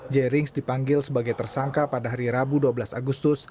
jerings dipanggil sebagai tersangka pada hari rabu dua belas agustus